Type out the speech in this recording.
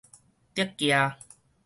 竹崎